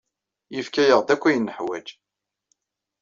Yefka-aɣ-d akk ayen neḥwaj.